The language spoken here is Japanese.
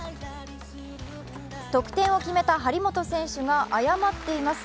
得点を決めた張本選手が謝っています。